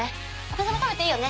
私も食べていいよね。